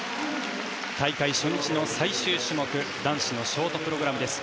大会初日の最終種目男子のショートプログラムです。